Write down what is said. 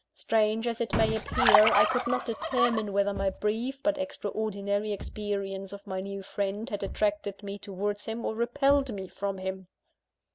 Strange as it may appear, I could not determine whether my brief but extraordinary experience of my new friend had attracted me towards him, or repelled me from him.